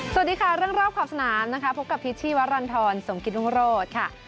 สวัสดีค่ะเรื่องรอบขอบสนามนะคะพบกับพิษชีวรรณฑรสมกิตรุงโรธค่ะ